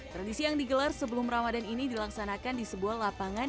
tradisi yang digelar sebelum ramadan ini dilaksanakan di sebuah lapangan